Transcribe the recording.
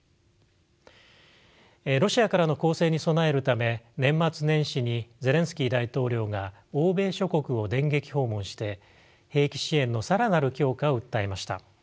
ロシアからの攻勢に備えるため年末年始にゼレンスキー大統領が欧米諸国を電撃訪問して兵器支援の更なる強化を訴えました。